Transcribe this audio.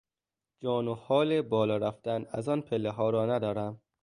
جان و حال بالا رفتن از آن پلهها را ندارم.